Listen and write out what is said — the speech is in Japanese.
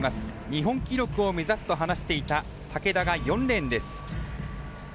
日本記録を目指すと話していた竹田が４レーンです。